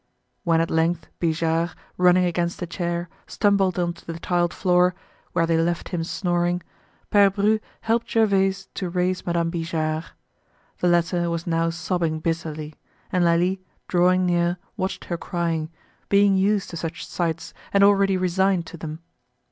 When at length Bijard, running against a chair, stumbled onto the tiled floor, where they left him snoring, Pere Bru helped Gervaise to raise Madame Bijard. The latter was now sobbing bitterly; and Lalie, drawing near, watched her crying, being used to such sights and already resigned to them.